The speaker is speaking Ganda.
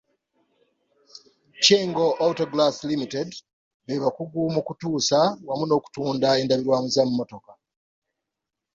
Kyengo auto glass limited be bakugu mu kutuusa wamu n'okutunda endabirwamu z'emmotoka.